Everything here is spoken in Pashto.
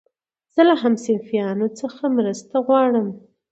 زه له همصنفيانو څخه مرسته غواړم.